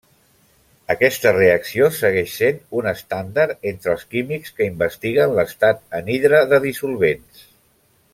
Aquesta reacció segueix sent un estàndard entre els químics que investiguen l'estat anhidre de dissolvents.